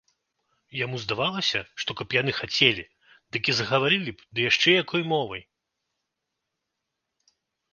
Яму здавалася, што каб яны хацелі, дык і загаварылі б, ды яшчэ якой мовай!